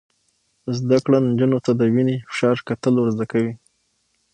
زده کړه نجونو ته د وینې فشار کتل ور زده کوي.